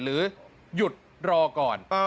หรือหยุดรอก่อน